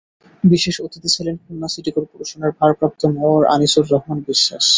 বিশেষ অতিথি ছিলেন খুলনা সিটি করপোরেশনের ভারপ্রাপ্ত মেয়র আনিছুর রহমান বিশ্বাস।